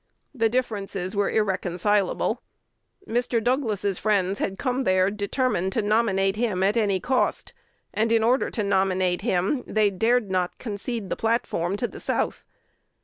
The differences were irreconcilable. Mr. Douglas's friends had come there determined to nominate him at any cost; and, in order to nominate him, they dared not concede the platform to the South.